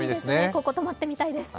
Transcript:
ここ泊まってみたいです。